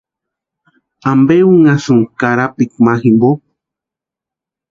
¿Ampe únhasïnki karapikwa ma jimpo?